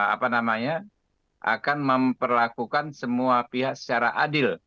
apa namanya akan memperlakukan semua pihak secara adil